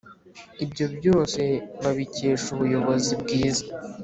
ibyo byose babikesha ubuyobozi bwiza